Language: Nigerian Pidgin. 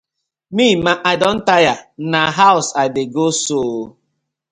Mi ma, I don tire, na hawz I dey go so ooo.